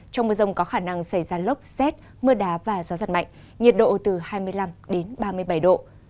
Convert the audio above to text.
trong mưa rông có khả năng xảy ra lốc xét mưa đá và gió giật mạnh nhiệt độ từ hai mươi năm ba mươi bảy độ